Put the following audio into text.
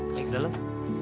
ayo ke dalam